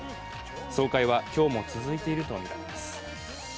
総会は、今日も続いているとみられます。